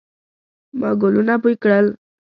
ما ګلونه بوی کړل